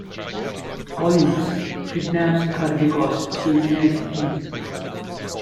"Collins" kidnaps her because she denies him.